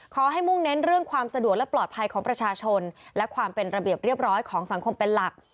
มุ่งเน้นเรื่องความสะดวกและปลอดภัยของประชาชนและความเป็นระเบียบเรียบร้อยของสังคมเป็นหลัก